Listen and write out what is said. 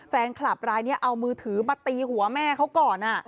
แฟนคลับรายนี้เอามือถือมาตีหัวแม่เขาก่อน